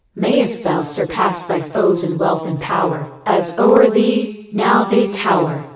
May'st thou surpass thy foes in wealth and power II 2 As o'er thee now they tower!